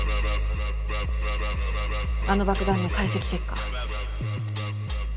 あの爆弾の解析結果。